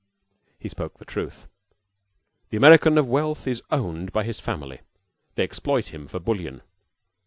He spoke the truth. The American of wealth is owned by his family. They exploit him for bullion.